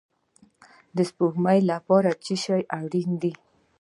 د سپوږمۍ لپاره څه شی اړین دی؟